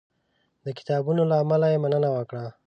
د کتابونو له امله یې مننه وکړه.